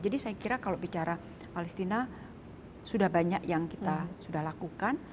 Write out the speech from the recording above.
jadi saya kira kalau bicara palestina sudah banyak yang kita sudah lakukan